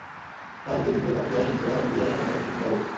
তার ভেতর তিন থেকে চারটি ড্রয়িং হিংস্র দানবরূপী ইয়াহিয়া খানের একটি মুখাবয়ব।